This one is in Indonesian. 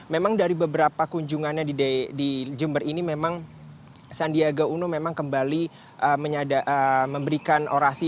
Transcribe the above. memang dari beberapa kunjungannya di jember ini memang sandiaga uno memang kembali memberikan orasi